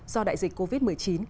do đại dịch covid một mươi chín